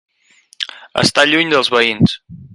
Estar lluny dels veïns.